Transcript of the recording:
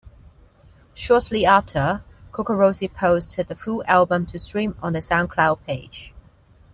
Shortly after, CocoRosie posted the full album to stream on their SoundCloud page.